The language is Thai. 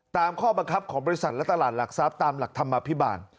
ตามข้อบังคับของบริษัทและตลาดหลักทรัพย์ตามหลักธรรมภิบาล